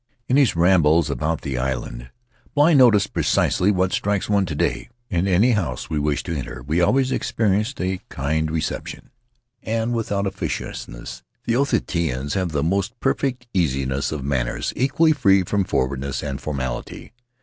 In his rambles about the island Bligh noticed precisely what strikes one to day: "In any house that we wished to enter we always experienced a kind reception and without officiousness. The Otaheiteans have the most perfect easiness of manners, equally free from forward ness and formality.